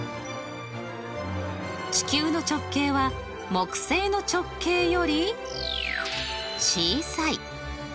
地球の直径は木星の直径より小さい。